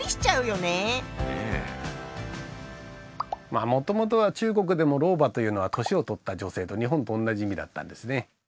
まあもともとは中国でも「老婆」というのは「年をとった女性」と日本と同じ意味だったんですね。